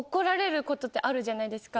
じゃないですか。